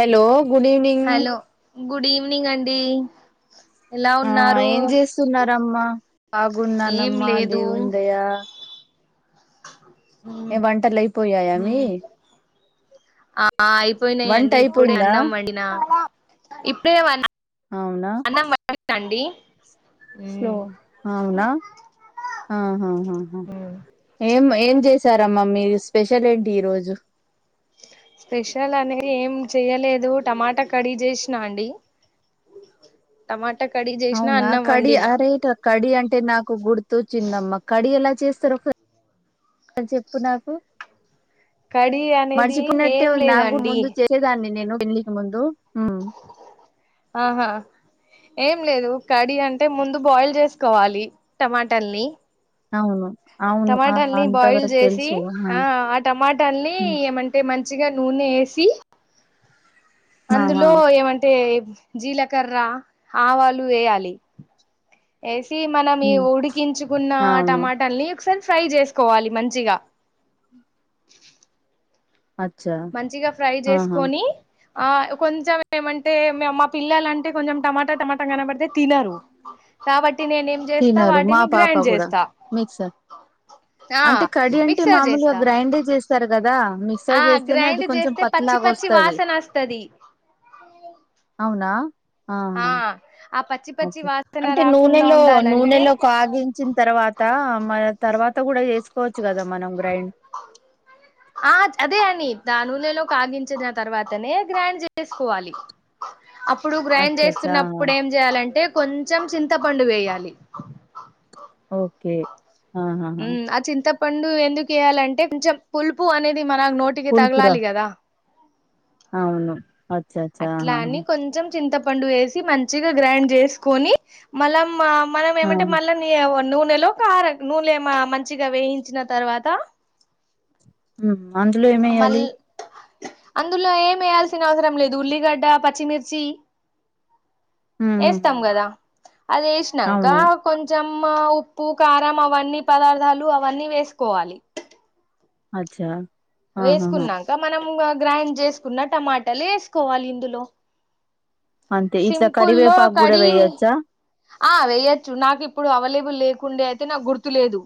Hello good evening hello good evening అండి ఎలా ఆ ఉన్నారు ఏం చేస్తున్నారమ్మా ఏం బాగున్నానమ్మా లేదు దేవున్ని దయ ఏ వంటలు అయిపోయాయా మీ ఆ వంట అయిపోయినాయిండి ఇప్పుడే అయిపోయిందా అన్నాం వండిన అవునా స్లో అవునా ఆహాహా ఏం ఏం చేస్ సారమ్మా మీరు స్పెషల్ ఏంటి ఈరోజు స్పెషల్ అనేది ఏం చెయలేదు టమాటా కడి చేసినా అండి టమాటా కర్రీ చేసినా అవునా అన్నం కడి వండినా అరిజ్ కడి అంటే నాక్ గుర్తుచ్చిందమ్మా కడి ఎలా చేస్తారు ఒక చెప్పు నాకు కర్రీ అనేది మర్చిపున్నట్టే ఏం నాక్ లేదండి ముందు చేసేదాన్ని నేను పేళ్లికి ముందు ఉమ్, ఆహా ఏ ఎం లేదు కడి అంటే ముందు బాయిల్ చేసుకోవాలి టమాటల్ని అవును అవును ఆ టమాటల్ని బాయిల్ అంతవరకు చేసి తెలుసు ఆహా ఆ ఆ టమాటల్ని ఉమ్, ఏమంటే మంచి పచ్చిగా నూనె ఏసి ఆహా. అందులో ఏవంటే జీలకర్ర ఆవాలు వేయాలి వేస్ మనం ఈ హ్మ్. ఉడికించుకున్న అవును. టమాటల్ని ఒకసారి ఫ్రై చేసుకోవాలి మంచిగా అచ్చా! మంచిగా ఫ్రై ఆహా! చేసుకొని ఆ కొంచం ఏమంటే మా పిల్లలంటే కొంచెం టమాటా టమాటా కనపడితే తినరు కాబట్టి నేనేం చేస్తా తినరు. మా వాటిని పాప గ్రాైండ్ గూడా. చేస్తా మిక్సర్. ఆ అంటే కడి అంటే మిక్సర్ మామూలుగా చేస్తా గ్రైండే చేస్తారు కదా మిక్సర్ ఆ చేస్త అయినా అది గ్రైండ్ కొంచెం చేస్తే పచ్చి పత్లాగ పచ్చి వస్తాది వాసన వస్తది ఆ ఆ పచ్చి పచ్చి వాసన అంటే రాకుండా నూనెలో ఉండాలంటే నూనెలో కాగించిన తర్వాత మరి తర్వాత త కూడా చేసుకోవచ్చు కదా మనం గ్రైండ్ ఆ అదే అని దా నూనెలో కాగించిన తర్వాతనే గ్రైండ్ చేసుకోవాలి [inaudible] అప్పుడు గ్రైండ్ అచ్చచ్చా! ఆహా! చేస్తున్నప్పుడు ఏం చేయాలంటే కొంచెం చింతపండు వేయాలి ఓకే ఆహా పండు ఎందుకుేయాలంటే కొంచెం పులుపు అనేది మన నోటికి పులుపురా తగిలాలి కదా అవును. అచ్చచ్చా! అట్లా ఆహాహా! అని కొంచెం చింతపండు వేసి మంచిగా గ్రైండ్ చేసుకొని మల మా మనం ఆ! ఏమంటే మళ్ళీ నూ నూనెలో కార నూనెమ మంచిగా వేయించిన తర్వాత అందులో మళ్ ఏమేయ్యాలి అందులో ఏం వేయాల్సిన అవసరం లేదు ఉల్లిగడ్డ పచ్చిమిర్చి హ్మ్. హ్మ్. వేస్తాం హ్మ్. కదా అది వేసినాక అవును. కొంచెం మ్మ ఉప్పు కారం అవన్నీ పదార్థాలు అవన్నీ వేసుకోవాలి అచ్చా ఆహాహా! వేసుకున్నాక మనము గ్రైండ్ చేసుకున్న టమాటలు వేసుకోవాలి ఇందులో అంతే ఇట్లా సింపుల్లో కరివేపాకు కూడా కడి వేయొచ్చా ఆ వెయ్యొచ్చు నాకు ఇప్పుడు అవైలబుల్ లేకుండే అయితే నాకు గుర్తులేదు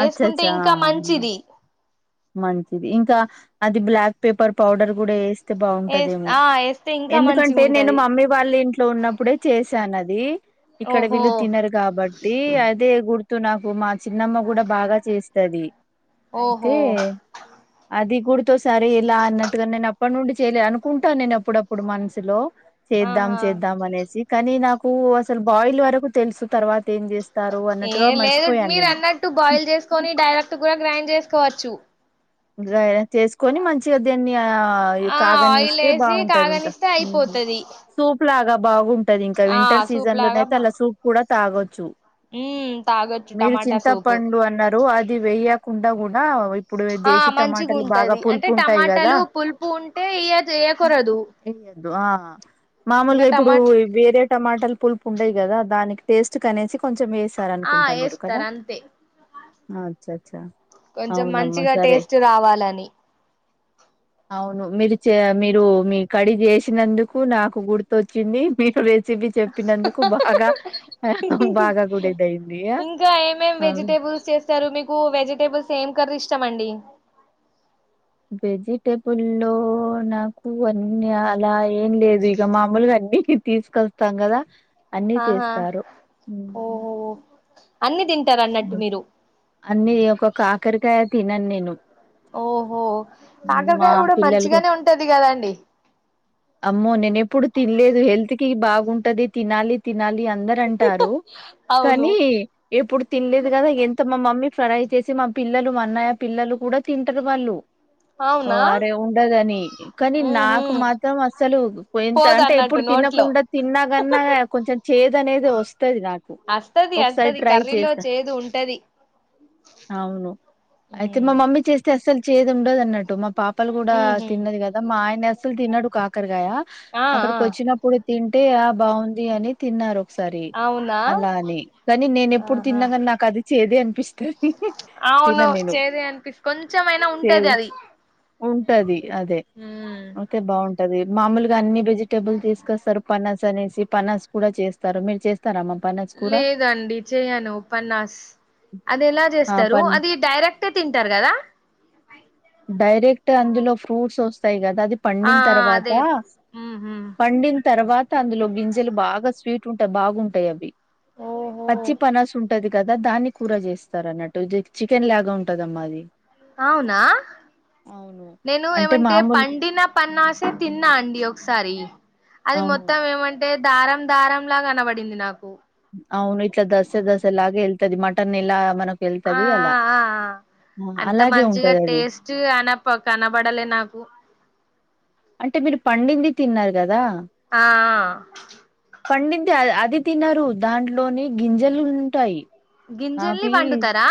వేసుకుంటే అచ్చచ్చా ఇంకా మంచిది మంచిది ఇంకా అది బ్లాక్ పేపర్ పౌడర్ కూడా వేస్తే వేస్ బాగుంటదేమో ఆ వేస్తే ఇంకా మంచిగా ఎందుకంటే నేను ఉంటది మమ్మీ వాళ్ళ ఇంట్లో ఉన్నప్పుడే చేశాను అది ఇక్కడ ఓహో వీళ్ళు తిినరు కాబట్టి అదే గుర్తు నాకు మా చిన్నమ్మ కూడా బాగా చేస్తుది అయితే ఓహో అది గుర్తో సారి ఇలా అన్నట్టుగా నేను అప్పటి నుండి చేయలేదు అనుకుంటాను నేను అప్పుడప్పుడు మనసులో చేద్దాం ఆహా చేద్దాం అనేసి కానీ నాకు అసలు బాయిల్ వరకు తెలుసు తర్వాత ఏం చేస్త ఏ లేదు మీరు అన్నట్టు బాయిల్ చేసుకొని డైరెక్ట్ కూడా గ్రైండ్ చేసుకోవచ్చు గ్రే చేసుకొని మంచిగా దీన్ని ఆ కాగని ఆయిల్ ఇస్తే వేసి బాగుంటది ఇంకా కాగనిస్తే అయిపోతది సూప్ లాగా బాగుంటది ఇంకా ఆ వింటర్ సూప్ సీజన్ లాగా లోనయితే బా అలా సూప్ కూడా తాగొచ్చు మ్మ్ తాగొచ్చు మీరు టమాటా సూపు చింతపండు అన్నారు అది వెయ్యకుండా కూడా ఆ ఇప్పుడుసి మంచిగా ఉంటది అంటే టమాటాలు పులుపు ఉంటే ఇ వేయకూరాదు వేయద్దు ఆ మామూలుగా ఇప్పుడు వేరే టమాటలు పులుపు ఉండయి కదా దానికి టేస్ట్ కనేసి కొంచెం వేసార ఆ అనుకుంటా మీరు కదా వేస్తారు అంతే కొంచెం అవునమ్మా మంచిగా సరే టేస్ట్ రావాలని అవును మీరు మీరు మీ కడి చేసినందుకు నాకు గుర్తుొచ్చింది మీరు చివి చెప్పినందుకు బాగా ఆ బాగా గుడేదయిందియా ఆ పులుసు చేస్తారు మీకు వెజిటేబుల్స్ ఏం కర్రీ ఇష్టం అండి వెజిటబు లో నాకు అన్నీ అలా ఏం లేదు ఇక మామూలుగా ఇంటికి తీసుకొస్తాం కదా అన్నిీ ఆహా చేస్తారు అన్నిీ తింట అన్నిీ ఒక కాకరికాయ తిినను నేను ఓహో మా కాకరకాయ గూడా పిల్లలు కూడా మంచిగానే ఉంటది గదండి అమ్మో నేను ఎప్పుడు తినలేదు హెల్త్ కి బాగుంటది తినాలి తినాలి అ అందరు అంటారు అవును కానీ ఎప్పుడు తినలేదు గదా ఎంత మా మమ్మి ఫ్రై చేసి మా పిల్లలు మా అన్నయ్య పిల్లలు గూడా తింటరు వాళ్ళు అవునా అరే ఉండదని కానీ ఊహు నాకు మాత్రం అసలు ఎంత పోదు అంటే అన్నట్టు ఎప్పుడు తి నోట్లో తినకుండా తిన్నా గన్నా కొంచెం చేదు అనేది వస్తది నాకు అస్తది ఒకసారి అస్తది ట్రై కర్రీలో చేస్త చేదు ఉంటది అవును అయితే మా మమ్మీ చేస్త అస్సలు చేదు ఉండదు అన్నట్టు మా పాపలు గూ డా ఊహు తిన్నది గదా మా ఆయన అస్సలు తిన్నడు కాకర కాయ ఆ ఆ అక్కడికి వచ్చినప్పుడు తింటే అ బాగుంది అని తిన్నారు సరే అవునా అలానే కానీ నేను ఎప్పుడు ఆహా తిన్నాగాని నాకు అది చేదే అనిపిస్తు హ అవును తినను నేను చేదే అనిపిస్ కొంచెమైనా చెద్ ఉంటది అది ఉంటది అదే ఒకే బాగు ది మామూలుగా అన్ని వెజిటేబుల్ తీసుకొస్తారు పనాస్ అనేసి పనాస్ గూడా చేస్తారు మీరు చే లేదండి చెయను పన్నాస్ అది ఎలా ఆ చేస్తారు పన్ అది డైరెక్ట్ తింటారు గదా డైరెక్ట్ అందులో ఫ్రూట్స్ వస్తాయి గదా అది ఆ పండిన తర్వాత అదే ఊహు పండిన తర్వాత అందులో గింజలు బాగా స్వీట్ ఉంటాయి బాగుంటాయి అవి ఓహో పచ్చి పనాస్ ఉంటది కదా దాన్ని కూర చేస్తారు అన్నట్టు చికెన్ లాగా ఉంటది అమ్మా అది అవునా అవును నేను అంటే ఏమంటే మామూలు పండిన పన్నాసే తిన్నా అండి ఒకసారి అది అవును మొత్తం ఏమంటే దారం దారంలా కనబడింది నాకు అవును ఇట్లా దసె దసెలాగే వెల్తది మటన్ ఎలా మనకు ఆ వెళ్తది అలా ఆ ఆ అంత అలాగే మంచిగా ఉంటదది. టేస్ట్ అన కనబడలే నాకు అంటే మీరు పండింది తిన్నారు గదా ఆ ఆ పండించి అది తినరు దాంట్లోని గింజలు ఉంటాయి గింజల్ని అవి వండుతారా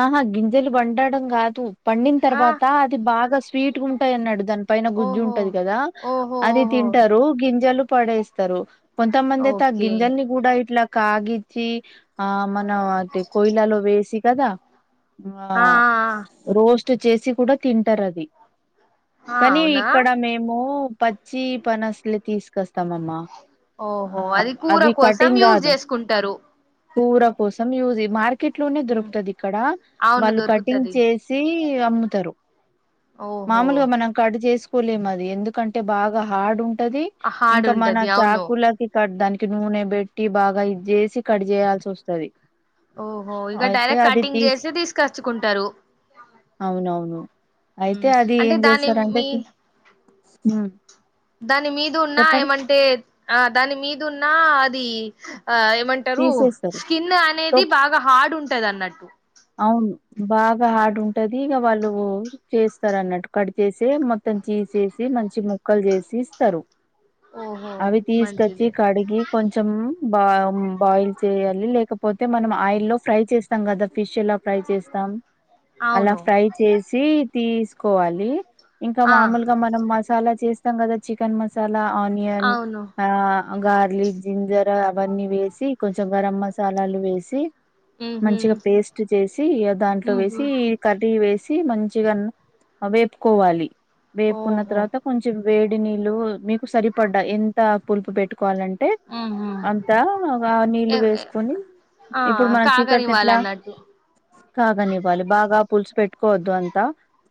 ఆహా గింజలు వండడం కాదు పండిన ఆ తర్వాత అది బాగా స్వీట్గా ఉంటాయ అన్నాడు దాని పైన గుజ్జు ఓహో ఉంటది గదా ఓహో అది ఓహో తింటారు గింజలు పడేస్తారు కొంతమంది అయితే ఆ ఓకే గింజల్ని గూడా ఇట్లా కాగిచ్చి ఆ మనం అ పోయలాలో వేసి గదా ఆ రోస్ట్ చేసి గూడా తింటరు అది ఆ కానీ అవునా ఇక్కడ మేము పచ్చి పనసలు తీసుకొస్తాం త్తమమ్మా ఓహో అది కూర అవి కోసం కటింగ్ యూజ్ గాదు చేసుకుంటారు కూర కోసం యూజ్ మార్కెట్ లోనే ఉమ్, దొరుకుతది ఇక్కడ అవును వాళ్ళు కటింగ్ దొరుకుతది చేసి అమ్ముతారు ఓహో మామూలుగా మనం కడ్ చేసి కలేంది ఎందుకంటే బాగా హార్డ్ ఉంటది హార్డ్ ఇంకా మన ఉంటది అవును చాకులకి దానికి నూనె పెట్టి బాగా ఇది చేసి కట్ చేయాల్సి వస్తది ఓహో ఇగా అయితే డైరెక్ట్ అది కటింగ్ తీస్ చేసి తీసుకో చ్చుకుంటారు అవునవును అయితే అది అంటే ఏం దాన్ని చేస్తారంటే మీ తీ- ఉమ్, దాని మీదున్నా చెప్పండి ఏమంటే ఆ దాని మీదున్నా అది ఆ ఏమంటారు తీసేస్తారు స్కిన్ అనేది బాగా హార్డ్ ఉంటది అన్నట్టు అవును బాగా హార్డ్ ఉంటది ఇక వాళ్ళు చేస్తారు అన్నట్టు కట్ చేసే మొత్తం చిసేసి మంచి ముక్కలు చేసి ఇస్తరు ఓహో అవి తీసుకొచ్చి మంచిదే కడిగి కొంచెం బా బాయిల్ చేయాలి లేకపోతే మనం ఆయిల్లో ఫ్రై చేస్తాం కదా ఫిష్ ఎలా ఫ్రై చేస్తాం అలా అవును ఫ్రై చేసి తీసుకోవాలి ఇంకా ఆ మామూలుగా మనం మసాలా చేస్తాం కదా చికెన్ మసాలా ఆనియన్ అవును ఆ గార్లిక్ జింజర్ అవన్నీ వేసి కొంచెం గరం మసాలాలు వేసి మ్మ్ హూ మంచిగా పేస్ట్ చేసి దాంట్లో వేసి కర్రీ వేసి మంచిగా వేపుకోవాలి వేపుకున్న ఓహో తర్వాత కొంచెం వేడి నీళ్ళు మీకు సరిపడ్డా ఎంత పులుపు పెట్టుకు కోవాలంటే ఉహు అంతా ఆ నీళ్ళు ఎ ఎ వేసుకొని ఆ ఇప్పుడు మన చీకన్ ఎట్లా కాగనివ్వాలన్నట్టు కాగనీవాలి బాగా పుల్సు పెట్కో వద్దు అంత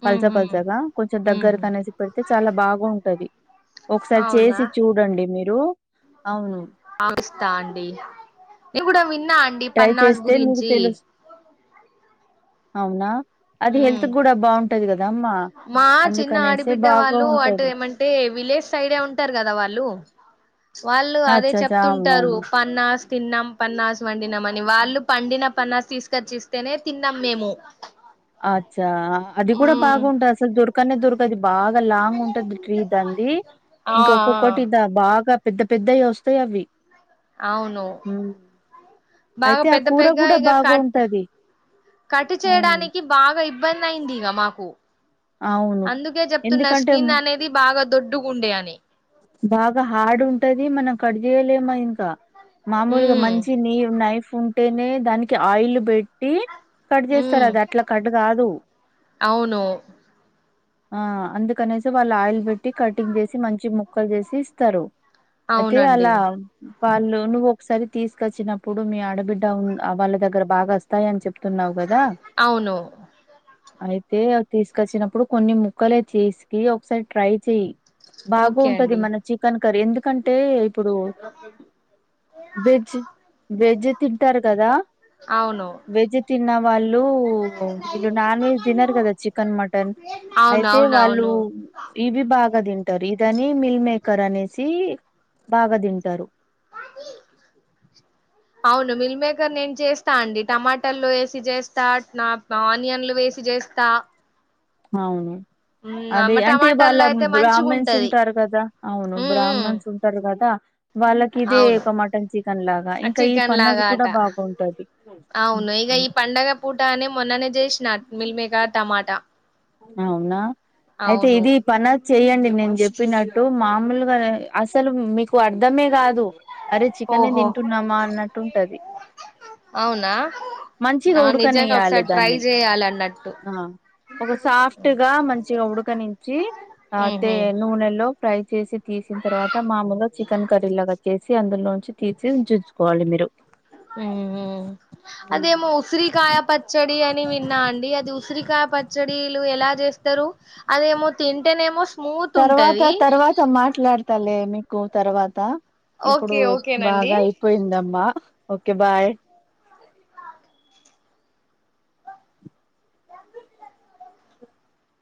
పల్స ఉహు పల్చగా కొంచెం దగ్గర ఉహు కనేసి పెడితే చాలా బాగా ఉంటది ఒకసారి చేసి అవునా చూడండి మీరు అవును ఆ ఇస్తా అండి నేను కూడా విన్నా అండి ట్రై పన్నాస్ చేస్తే మీకు గురించి తెలుసు అవునా అది ఉమ్ హెల్త్ కూడా బాగుంటది కదామ్మా మా చిన్న ఆడిబిడ్డ వాళ్ళు అటు ఏమంటే విలేజ్ సైడే ఉంటారు కదా వాళ్ళు వాళ్ళు అదే అచ్చచ్చా చెప్తుంటారు అవునవును పన్నాస్ తిన్నాం పన్నాసు వండినాం అని వాళ్ళు పండిన పన్నాసు తీసుకొచ్చిస్తేనే తిన్నాం మేము అచ్చా అది కూడా ఉమ్ బాగుంటది అసలు దొరకనే దొర్ బాగా లాంగ్ ఉంటది ట్రీ దానిది ఆ ఇంక ఆ ఒక్కొక్కటి దా బాగా పెద్ద పెద్దయి వస్తాయ్ అవి అవును ఉమ్ బాగా అయితే ఆ పెద్ద కూర పెద్ద కూడా ఇక బాగా కట్ ఉంటది కట్ అవును చేయడానికి బాగా ఇబ్బంది అయింది ఇగ మాకు అవును అందుకే చెప్తున్న ఎందుకంటే మ స్కిన్ అనేది బాగా దొడ్డుగుండే అని బాగా హార్డ్ ఉంటది మనం కట్ చేయలేము ఇంకా మామూలుగా ఉమ్ మంచి నీ నైఫ్ ఉంటేనే దానికి ఆయిల్ పెట్టి కట్ చేస్తారు ఉమ్ అది అట్లా కట్ కాదు అవును ఆ అందుకనేసి వాళ్ళు ఆయిల్ పెట్టి కటింగ్ చేసి మంచి ముక్కలు చేసి ఇస్తారు అయితే అవునండి అలా వాళ్ళు నువ్వు ఒకసారి తీసుకొచ్చినప్పుడు మీ ఆడబిడ్డ వాళ్ళ దగ్గర బాగ అస్తాయ్ అని చెప్ తున్నావు కదా అవును అయితే తీసుకొచ్చినప్పుడు కొన్ని ముక్కలే చేస్కి ఒకసారి ట్రై చెయ్ బాగ ఓకే ఉంటది అండి మన చికెన్ కర్రీ ఎందుకంటే ఇప్పుడు వెజ్ వెజ్ తింటారు కదా అవును వెజ్ తిన్న వాళ్ళు వీళ్ళు నాన్ వెజ్ తినరు కదా చికెన్ మటన్ అవును అయితే అవును వాళ్ళు అవును ఇవి బాగా తింటారు ఇదని మిల్ మేకర్ అనేసి బాగా తింటరు అ [inaudible] అవును మిల్ మేకర్ నేను చేస్తా అండి టమాటలో ఏసి చేస్తా ఆనియన్లు వేసి చే చేస్తా అవును ఉమ్ అదే అమ్మ అంటే వాళ్ళ టమాటాల్లో అయితే మంచిగా బ్రాహ్మన్స్ ఉంటది ఉంటారు కదా అవును ఉమ్ ఉమ్ బ్రాహ్మన్స్ ఉంటారు కదా వాళ్ళకి ఇదే అవును ఒక మటన్ చికెన్ లాగా ఇంకా ఈ చికెన్ పన్నజ్ లాగా కూడా బాగుంటాది ఇగ ఈ పంండగ పూట అని మొన్ననే జేసినా మీల్మేక టమాటా అవునా అయితే అవును ఇది పనాజ్ చెయ్యండి నేను చెప్ ప్పినట్టు మామూలుగానే అసలు మీకు అర్ధమే గాదు అరే చికెనే ఓహో దింటున్నామా అన్నట్టుంటది అవునా మంచిగా ఆ, నిజంగా ఉడకనియ్యాలి ఒకసారి ట్రై దాన్ని చేయాలన్నట్టు ఆ ఒక సాఫ్ట్ గా మంచిగా ఉడకనించి ఆ తే ఉహు నూనెలో ఫ్రై చేసి తీసి చ్చిన తర్వాత మాముూలుగా చికెన్ కర్రీ లాగా చేసి అందులోంచి తీసి ఉంచుచుకోవాలి మీరు ఊ అదేమో ఉసిరికాయ పచ్చడి అని విన్నా అండి అది ఉసిరికా పచ్చడీలు ఎలా జేస్తరు తర్వాత ఉంటది తర్వాత మాట్లాడతాలే మీ కో తరవాత ఇప్పుడు ఓకే ఓకేనండి బాగా అయిపోయిందమ్మా ఓకే బాయ్